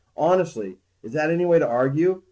Honestly, is that any way to argue?